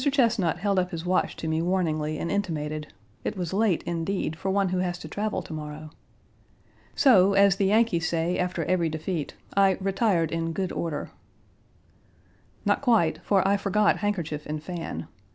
Chesnut held up his watch to me warningly and intimated "it was late, indeed, for one who has to travel tomorrow." So, as the Yankees say after every defeat, I "retired in good order." Not quite, for I forgot handkerchief and fan.